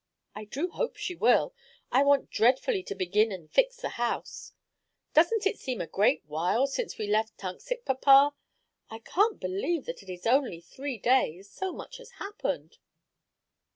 "I do hope she will. I want dreadfully to begin and fix the house. Doesn't it seem a great while since we left Tunxet, papa? I can't believe that it is only three days, so much has happened."